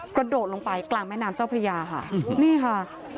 กระโดดลงไปกลางแม่น้ำเจ้าพระยาค่ะนี่ค่ะ